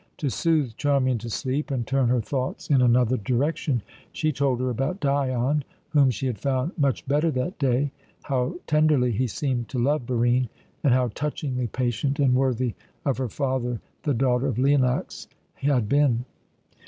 To soothe Charmian to sleep and turn her thoughts in another direction, she told her about Dion, whom she had found much better that day, how tenderly he seemed to love Barine, and how touchingly patient and worthy of her father the daughter of Leonax had been.